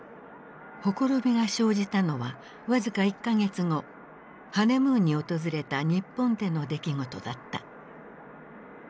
ほころびが生じたのは僅か１か月後ハネムーンに訪れた日本での出来事だった。